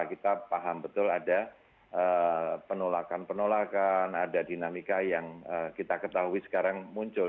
kita paham betul ada penolakan penolakan ada dinamika yang kita ketahui sekarang muncul